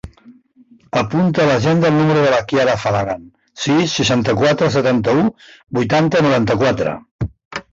Apunta a l'agenda el número de la Chiara Falagan: sis, seixanta-quatre, setanta-u, vuitanta, noranta-quatre.